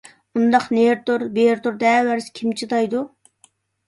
— ئۇنداق نېرى تۇر، بېرى تۇر دەۋەرسە، كىم چىدايدۇ؟